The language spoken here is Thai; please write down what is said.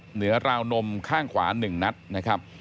เหนือราวนมข้างขวา๑นัดนะครับ